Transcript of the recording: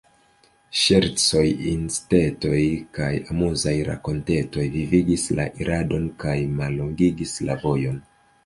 Ŝercoj, incitetoj kaj amuzaj rakontetoj vivigis la iradon kaj mallongigis la vojon.